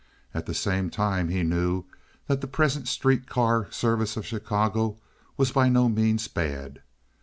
At the same time he knew that the present street car service of Chicago was by no means bad.